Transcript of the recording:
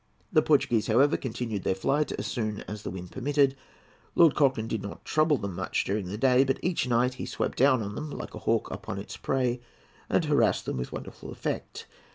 The Portuguese, however, continued their flight as soon as the wind permitted. Lord Cochrane did not trouble them much during the day, but each night he swept down on them, like a hawk upon its prey, and harassed them with wonderful effect.